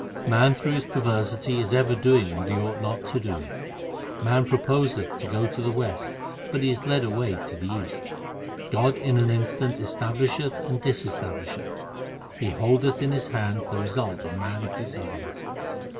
Man through his perversity is ever doing what he ought not to do : Man proposeth to go to the west, but he is led away to the east. God in an instant establisheth and disestablished ; He holdeth in His hands the result of man s designs.